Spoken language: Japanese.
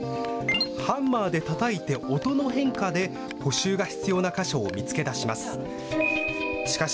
ハンマーでたたいて音の変化で補修が必要な箇所を見つけ出します。